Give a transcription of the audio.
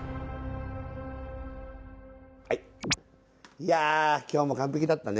いや今日も完璧だったね。